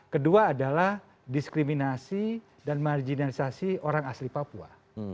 kedua adalah diskriminasi dan marginalisasi orang asli papua